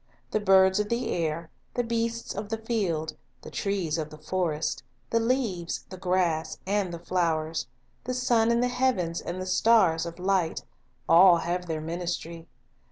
The birds of the air, the beasts of the field, the trees of the forest, the leaves, the grass, and the flowers, the sun in the heavens and the stars of light, — all have their ministry.